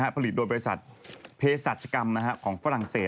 ผลิตโดยบริษัทเพศรัชกรรมของฝรั่งเศส